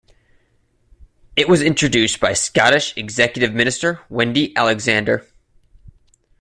It was introduced by Scottish Executive minister Wendy Alexander.